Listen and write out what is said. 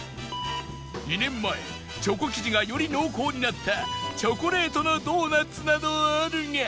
２年前チョコ生地がより濃厚になったチョコレートのドーナツなどあるが